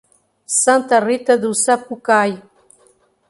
Santa Rita do Sapucaí